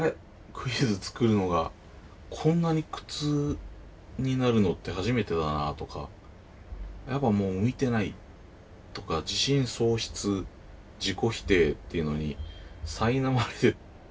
クイズ作るのがこんなに苦痛になるのって初めてだなとかやっぱもう向いてないとか自信喪失自己否定っていうのにさいなまれ。